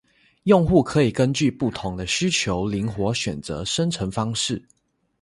用户可以根据不同的需求灵活选择生成方式